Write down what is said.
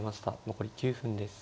残り９分です。